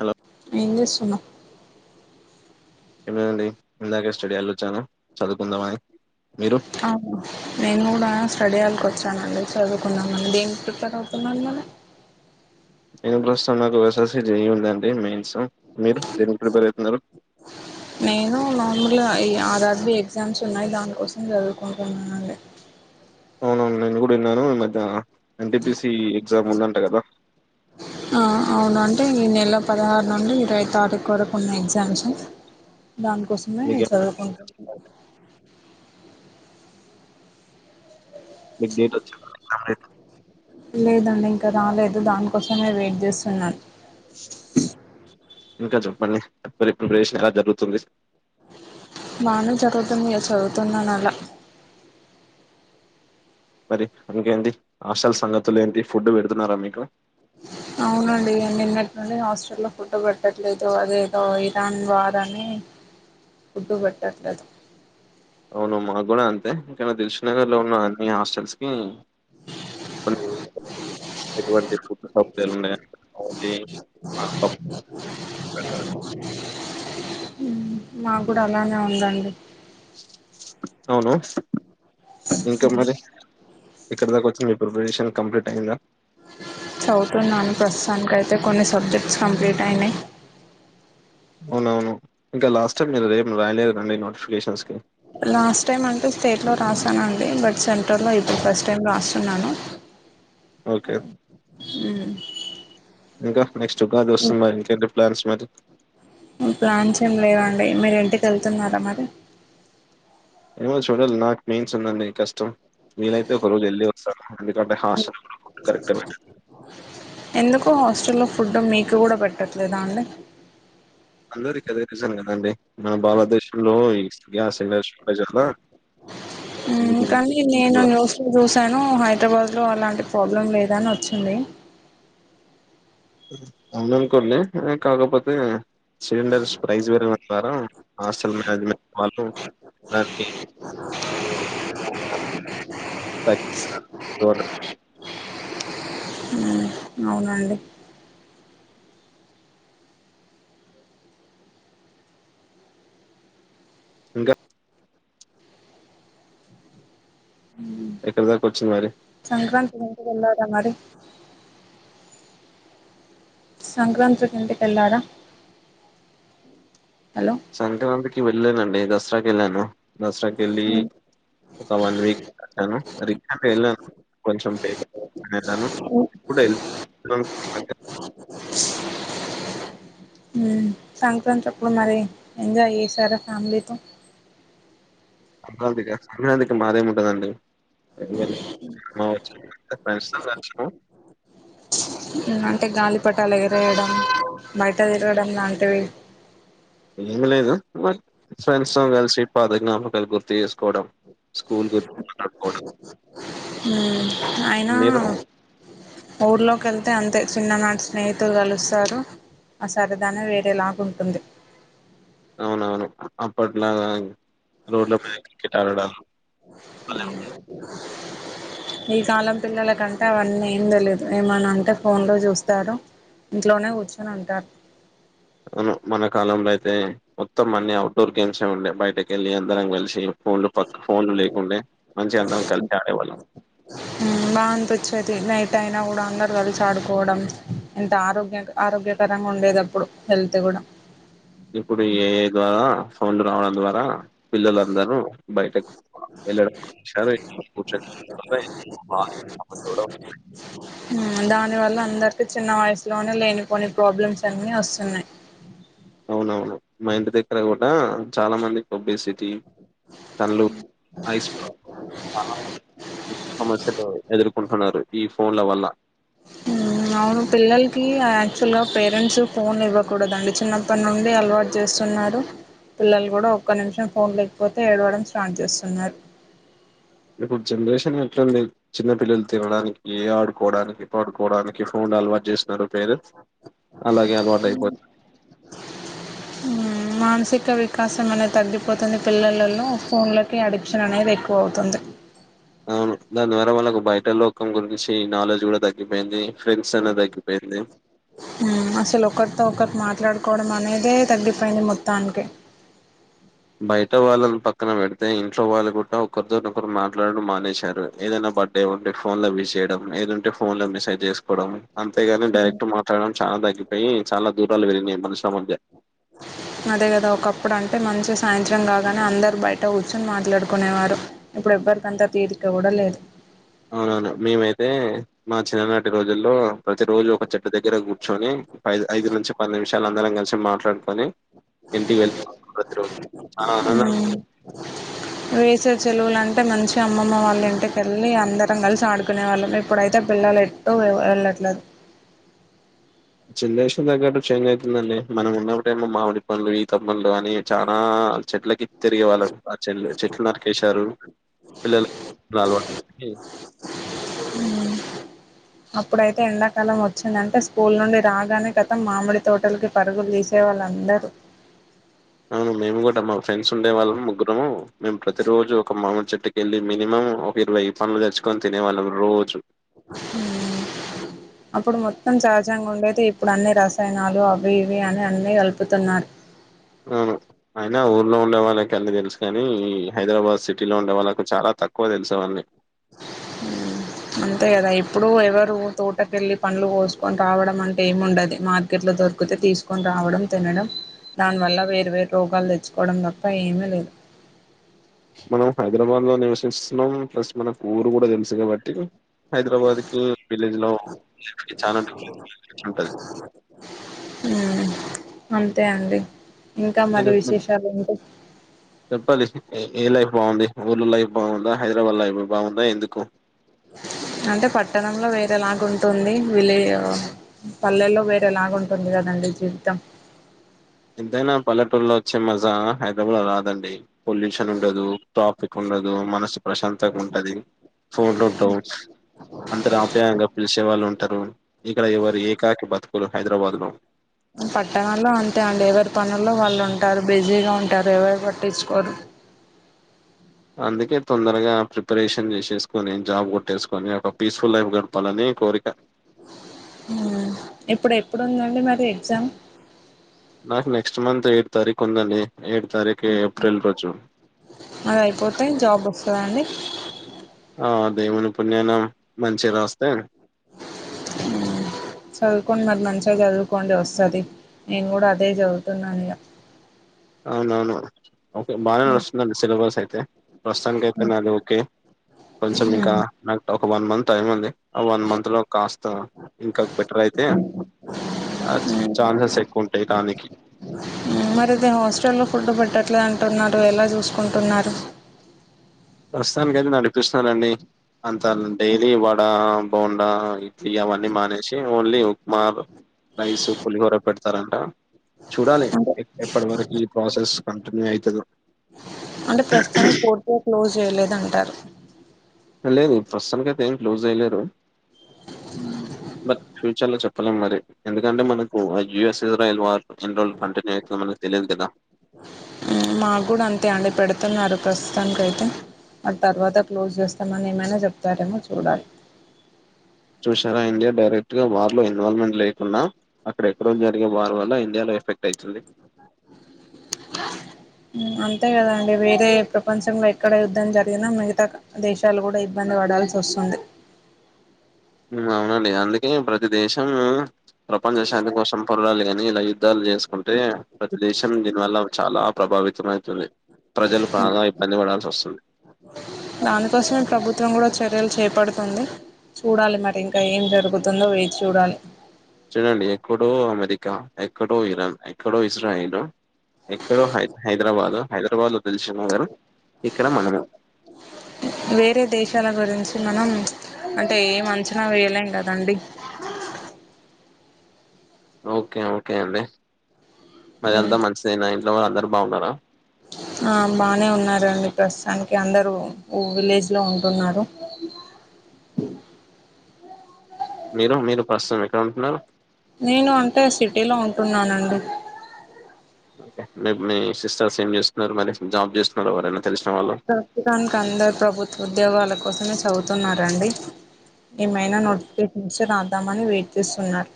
Hello ఏం చేస్తున్నావ్ ఏం లేదండి ఇందాకే స్టడీ వెళొచ్చాను ఆ నేను కూడా స్టడీయాళకి వచ్చానండి చదువుకున్నాం దేనికి ప్రిపేర్ అవుతున్నారు మరి నేను ప్రస్తాం నాకు వేసాల్సి జయ్య ఉందండి మెయిన్స్ మీరు దేనికి ప్రిపేర్ అవుతున్నారు నేను నార్మల్ ఈ ర్ ర్ బి ఎగ్జామ్స్ ఉన్నాయి దానికోసం చదువుకుంటున్నాను అండి అవునవును నేను కూడా విన్నాను మీ మధ్య N T P C exam ఉందంట కదా ఆ అవును అంటే ఈ నెల పదహారు నుండి ఇరవై తారీఖు వరకు ఉన్నాయి ఎగ్జామ్స్ దానికోసమే మీకే చదువుకుంటున్నా మీకు డేట్ వచ్చ లేదండి ఇంకా రాలేదు దానికోసం నేను వెయిట్ చేస్తున్నాను ఇంకా చెప్ మళ్లీ మీ ప్రిపరేషన్ ఎలా జరుగుతుంది బానే చదువుతుంది చదువుతున్నాను అలా మరి ఇంకేంటి హాస్టల్ సంగతులు ఏంటి ఫుడ్ పెడు న్నారా మీకు అవునండి నిన్నటి నుండి హాస్టల్లో ఫుడ్ పెట్టట్లేదు అదేదో ఇరాన్ వార్ అని ఫుడ్ పెట్టట్లేదు అవును మా గున అంతే కని తెసు నగర్ లో ఉన్న అన్ని హాస్టల్స్కి కొన్ని ఎటువంటి [unintelligible] మా కూడా అలానే ఉందండి అవును ఇంకేం మరి ఎక్కడి దాకా వచ్చి మీ ప్రిపరేషన్ కంప్లీట్ అయిందా ప్రస్తుతానికి అయితే కొన్ని సబ్జెక్ట్స్ కంప్లీట్ అయినాయి అవునవును ఇంకా లాస్ట్ టైం మీరు ఏం రాయలేదు కదా అండి నోటిఫికేషన్స్ కి లాస్ట్ టైం అంటే స్టేట్లో రాసానండి బట్ సెంట్రల్ లో ఇప్పుడు ఫస్ట్ టైం రాస్తున్నాను ఓకే ఉ ఇంకా నెక్స్ట్ ఉగాది వస్తుంది మరి ఇంకేంటి ప్లాన్స్ మరి ప్లాన్స్ ఏమి లేవండి మీరు ఇంటికి వెళ్తున్నారా మరి ఏమో నేను చూడాలా నాకు మెయిన్స్ ఉంది అండి కష్టం నేనైతే ఒకరోజు వెళ్లి వస్తాను ఎందుకంటే హాస్టల్ రూమ్ కరెక్టా ఎందుకు హాస్టల్లో ఫుడ్ మీకు కూడా పెట్టట్లేదా అండి అందరికీ అదే కిచెన్ కదండీ, మన భారతదేశం లో ఈ వి [inaudible] హు కానీ నేను న్యూస్ లో చూసాను హైదరాబాద్ లో అలాంటి ప్రాబ్లం లేదు అని వచ్చింది, అవుననుకోండి కాకపోతే సిలిండర్స్ ప్రైస్ పెరగ సారా అసలు [inaudible] హు అవునండి, ఇంకా ఎక్కడి దాకా వచ్చింది మరి ఏందట మరి సంక్రాంతి కి ఇంటికి వెళ్లారా సంక్రాంతి కి వెళ్లాను అండి ద దసరా కి వెళ్ళాను దసరాకి వెళ్ళి మ్మ్. ఒక వన్ వీక్ కొంచెం వెళ్ళాను కొంచెం [inaudible] వెళను హు సంక్రాంతి అప్పుడు మరి ఎంజాయ్ చేసారా ఫ్యామిలీతో సంక్రాంతికి హ సంక్రాంతికి మాది ఏమి ఉంటదా అండి [inaudible] ఫ్రెండ్స్ తో కలిసినాం అంటే గాలిపటాలు ఎగిరేయడం బయట తిరగడం లాంటివి ఏమి లేదు. నా ఫోటోలు గుర్తు చేసుకోవడం స్కూల్ గురించి మాట్లాడుకోవడం. హు అయినా మీరు? ఊర్లో క వెళ్తే అంతే చిన్ననాటి స్నేహితులు కలుస్తారు ఆ సరదానే వేరేలాగా ఉంటుంది అవునవును అప్పట్లాగా రోడ్ల పైన క్రికెట్ ఆడడం అవున ఈ కాలం పిల్లలకంటే అవన్నీ ఏం తెలియదు ఏమని అంటే ఫోన్లో చూస్తారు ఇంట్లోనే కూర్చొని ఉంటారు మన కాలంలో అయితే మొత్తం అన్ని అఔట్ డోర్ గేమ్స్ ఏ ఉండేయి బయటక వెళ్ళలి అందరం కలిసి ఫోన్లు పక్క ఫోన్లు లేకుంటే మంచి అందం కలిసి ఆడేవాళ్ళం ట్ అయినా కూడా అందరూ కలిసి ఆడుకోవడం ఎంత ఆరోగ్య ఆరోగ్యకరంగా ఉండేది అప్పుడు హెల్త్ కూడా ఇప్పుడు ఏ ద్వా ఫోన్లు రావడం ద్వారా పిల్లలందరూ బయటకు వెళ్ళడం కూర్చొ చూ [inaudible] దానివల్ల అందరికీ చిన్న వయసులోనే లేనిపోని ప్రాబ్లమ్స్ అన్నీ వస్తున్నాయి అవునవును మా ఇంటి దగ్గర కూడా చాలా మంది ఒబేసిటీ కండ్లు ఐస్ సమస్యకూ ఎదుర్ కుంటున్నారు ఈ ఫోన్ల వల్ల అవును పిల్లలకి యాక్చువల్గా పేరెంట్స్ ఫోన్లు ఇవ్వకూడదండి చిన్నప్పటి నుండి అలవాటు చేస్తున్నారు. పిల్లలు కూడా ఒక్క నిమిషం ఫోన్ లేకపోతే ఏడవడం స్టార్ట్ చేస్తున్నారు. ఇప్పుడు జనరేషన్ ఎట్లుంది చిన్న పిల్లలు తినడానికి ఆడుకోవడానికి పడుకోవడానికి ఫోన్లు అలవాటు చేస్తున్నారు పేరెంట్స్ అలాగే అలవాటయిపో ఉమ్ మానసిక వికాసం అనేది తగ్గిపోతుంది పిల్లలలో ఫోన్లకి అడిక్షన్ అనేది ఎక్కువ అవుతుంది అవును దాని ద్వారా వాళ్ళకు బయట లోకం గురించి నాలెడ్జ్ కూడా తగ్గిపోయింది ఫ్రెండ్స్ అనేది తగ్గిపోయింది ఆ అసలు ఒకర్తో ఒకర్ మా మాట్లాడుకోవడం అనేదే తగ్గిపోయింది మొత్తానికి బయట వాళ్ళని పక్కన పెడితే ఇంట్లో వాళ్ళు కూడా ఒకరితోని ఒకరు మాట్లాడడం మానేశారు. ఏదైనా బర్త్డే ఉంటే ఫోన్ లో విస్ చేయడం ఏదుంటే ఫోన్ లో మెసేజ్ చేసుకోవడం అంతేగానీ డైరెక్ట్ మాట్లాడడం చాలా దగ్ గిపెయ్ చాలా దూరాలు వెళ్ళినయి మనుషుల మధ్య అదే కదా ఒకప్పుడు అంటే మంచి సాయంత్రం కాగానే అందరు బయట కూర్చుని మాట్లాడుకునేవారు. ఇప్పుడు ఎవ్వరికంతా తీరిక కూడా లేదు అవునవును మేమైతే మా చిన్ననాటి రోజుల్లో ప్రతి రోజు ఒక చెట్టు దగ్గర కూర్చొని పఐదు ఐదు నుంచి పన్నెండు విషాలందరం కలిసి మాట్లాడుకొని ఇంటికెల్ ప్రతిరోజు చానా ఆనందంగ చెలువులంటే మంచిగ అమ్మమ్మ వాళ్ళ ఇంటికెళ్ళి అందరం కలిసి ఆడుకునే వాళ్ళం ఇప్పుడైతే పిల్లలు ఎట్టు వెళ్ళట్లేదు జనరేషన్ తగ్గట్టు చేంజ్ అయితుందండి మనం ఉన్నప్పుడు ఏమో మామిడి పండ్లు ఈత పండ్లు అని చానా చెట్లకి తిరిగే వాళ్ళు అచెల్ చెట్లు నరికేశారు పిల్లలక్ [unintelligible] ఉమ్ అప్పుడైతే ఎండాకాలం వచ్చిందంటే స్కూల్ నుండి రాగానే కతం మామిడి తోటలకి పరుగులు తీసేవాళ్ళందరూ అవును మేము కూడా మా ఫ్రెండ్స్ ఉండే వాళ్ళము ముగ్గురము. మేము ప్రతి రోజు ఒక మామిడి చెట్టుకి వెళ్ళి మినిమం ఒక ఇరవై పనులు తెచ్చుకొని తినేవాళ్ళము రోజు. ఉమ్ అప్పుడు మొత్తం సహజంగా ఉండేది ఇప్పుడు అన్ని రసాయనాలు అవి ఇవి అని అన్నీ కలుపుతున్నారు అవును అయినా ఊర్లో ఉండే వాళ్ళకి అన్ని తెలుసు కాని హైదరాబాద్ సిటీలో ఉండే వాళ్ళకు చాలా తక్కువ తెలుసు అవన్నీ అంతే కదా ఇప్పుడు ఎవరు తోటకెళ్ళి పండ్లు కోసుకొని రావడం అంటే ఏముండది మార్కెట్లో దొరికితే తీసుకొని రావడం తినడం దానివల్ల వేర్వేరు రోగాలు తెచ్చుకోవడం తప్ప ఏమీ లేదు మనం హైదరాబాద్ లో నివసిస్తున్నాం ప్లస్ మనకు ఊరు కూడా తెలుసు కాబట్టి హైదరాబాద్ కీ విలేజ్ లో చానా ఉంటది తే అండి ఇంకా నేను మరి చెప్ప- విశేషాలు ఏంటి చెప్పాలి ఏ ఏ లైఫ్ బాగుంది ఊర్ల లైఫ్ బాగుందా హైదరాబాద్ లైఫ్ బాగుందా ఎందుకు అంటే పట్టణంలో వేరేలాగుంటుంది విలే పల్లెల్లో వేరేలాగుంటుంది కదండి జీవితం ఎంతైనా పల్లెటూరులో వచ్చే మజా హైదరాబాద్ లో రాదండి పొల్యూషన్ ఉండదు టాపిక్ ఉండదు మనసు ప్రశాంతంగుంటది ఫోన్లు ఉంటవు అంతరు ఆప్యాయంగా పిలిసే వాళ్ళు తరూ ఇక్కడ ఎవరి ఏకాకీ బతుకులు హైదరాబాద్ లో లేవర్ పనుల్లో వాళ్ళు ఉ టారు బిజీగా ఉంటారు ఎవరు పట్టించుకోరు అందుకే తొందరగా ప్రిపరేషన్ చేసేసుకోని జాబ్ కొట్టేసుకొని ఒక పీస్ఫుల్ లైఫ్ గడపాలని కోరిక ఇప్పుడు ఎప్పుడుందండి మరి ఎగ్జామ్ నాకు నెక్స్ట్ మంత్ ఏడ్ తారీఖు ఉందండి ఎయిట్ తారీఖు ఏప్రిల్ రోజు అది అయిపోతే జాబ్ వస్తాదా అండి ఆ దేవుని పుణ్యాన మంచిగా రాస్తే చదువుకోండి మరి మంచిగా చదువుకోండి వస్తది నేను కూడా అదే చదువుతున్నా ఇగ అవునవును ఓకే బానే నాడుస్తుందండి సిలబస్ అయితే తే ప్రస్తుతానికి అయితే నాది ఓకే కొంచెం ఇంకా నాకు డౌ వన్ మంత్ టైమ్ ఉంది ఆ వన్ మంత్ లో కాస్త ఇంకా బెటర్ అయితే చాన్సెస్ ఎక్కువ ఉంటాయి కానికి మరి అదే హాస్టల్లో ఫుడ్ బట్టర్ ట్లే అంటున్నారు ఎలా చూసుకుంటున్నారు ప్రస్తుతానికి అయితే నే నడిపిస్తున్నానండి అంత డైలీ వడా బోండా అవన్నీ మానేసి ఓన్లీ ఉప్మా రైస్ పులిహోర పెడతారంట చూడాలి అంటే ఎప్పటి వరకు ఈ ప్రాసెస్ కంటిన్యూ అవుతదో అంటే ప్రస్తుతానికి పూర్తిగా క్లోజ్ చేయలేదంటారు లేదు ప్రస్తుతానికి అయితే ఏం క్లోజ్ అయ్యలేరు బట్ ఫ్యూచర్లో చెప్ప చెప్పలేం మరి ఎందుకంటే మనకు జూఎస్ ఇజ్రాయల్ వార్ ఏన్నీరోజులు కంటిన్యూ అయితాదో మనకి తెలియదు కదా ప్రస్తుతానికైతే బట్ తర్వాత క్లోజ్ చేస్తామని ఏమైనా చెప్తారేమో చూడాలి చూసారా ఇండియా డైరెక్ట్ గా వార్ లో ఇన్వాల్వ్మెంట్ లేకున్నా అక్కడ ఎక్కడో జరిగే వారు వల్ల ఇండియాలో ఎఫెక్ట్ అయితుంది అంతే కదా అండి వేరే ప్రపంచంలో ఎక్కడ యుద్ధం జరిగినా మిగతా దేశాలు కూడా ఇబ్బంది పడాల్సి వస్తుంది అవునండి అందుకే ప్రతి దేశం ప్రపంచ శాంతి కోసం పొర్లాలి కానీ యుద్దధాలు చేస్ కుంటే ప్రతిదేశం దీనివల్ల చాలా ప్రభావితమైతుంది ప్రజలు బాగా ఇబ్బంది పడాల్సొస్తుంది. దానికోసమే ప్రభుత్వం కూడా ఓచ్ చర్యలు చేపడుతుంది చూడాలి మరి ఇంకా ఏం జరుగుతుందో వేచి చూడాలి చూడండి ఎక్కడో అమెరికా ఎక్కడో ఇరాన్ ఎక్కడో ఇజ్రాయిలు ఎక్కడ హై హైదరాబాద్ హైదరాబాద్ దిల్సుక్నగర్ వేరే దేశాల గురించి మనం అంటే ఎం అంచనా వేయలేం కదండి ఓకే ఓకే అండి మరి అంతా మంచిదే అందరు బాగున్నారా ఆ బానే ఉన్నారండి ప్రస్తుతానికి అందరు విలేజ్ లో ఉంటున్నారు మీరు మీరు పర్సన్ ఎక్కడ ఉంటున్నారు నేను అంటే సిటీలో ఉంటున్నానండి మీ సిస్టర్స్ ఏం చేస్తున్నారు మరి జాబ్ చేస్తున్నారు ఎవరైనా తెలిసిన వాళ్ళు? ప్రస్తుతానికి అందరు ప్రభుత్వ ఉద్యోగాల కోసమే చదువుతున్నారండి ఏమైనా నోటిఫికేషన్ వస్తే ద దామని వెయిట్ చేస్తున్నారు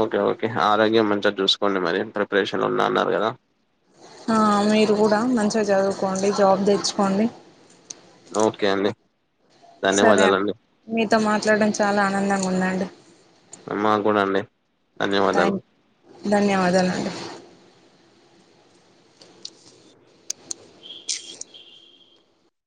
ఓకే ఓకే ఆరోగ్యం మంచిగా చూసుకోండి మరి ప్రిపరేషన్లో ఉన్నా అన్నారు కదా ఆ మీరు కూడా మంచి మంచిగా చదువుకోండి జాబ్ తెచ్చుకోండి ఓకే అండి సరే ధన్యవాదాలు అండి మీతో మాట్లాడడం చాలా ఆనందంగా ఉందండి మా కూడా అండి ధన్యవాదాలు ధన్యవాదాలు అండి